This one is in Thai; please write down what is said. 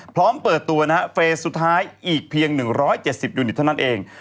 พร้อมเปิดตัวนะฮะเฟสสุดท้ายอีกเพียง๑๗๐ยูนิตเท่านั้นเอง